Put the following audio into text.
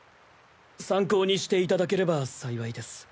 参考にしていただければ幸いです。